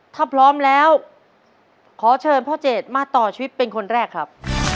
ถ้าพร้อมแล้วขอเชิญพ่อเจดมาต่อชีวิตเป็นคนแรกครับ